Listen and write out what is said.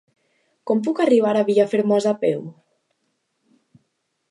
Com puc arribar a Vilafermosa a peu?